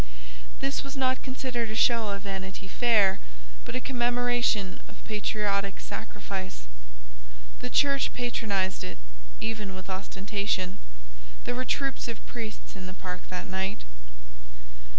This was not considered a show of Vanity Fair, but a commemoration of patriotic sacrifice. The Church patronised it, even with ostentation. There were troops of priests in the park that night.